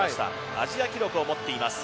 アジア記録を持っています。